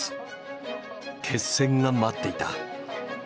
決戦が待っていた。